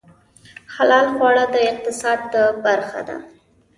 حلال خواړه د اقتصاد برخه ده